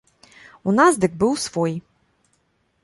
У нас дык быў свой.